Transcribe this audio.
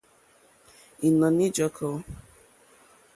Ìnɔ̀ní ǃjɔ́kɔ́.